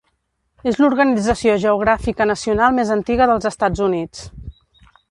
És l'organització geogràfica nacional més antiga dels Estats Units.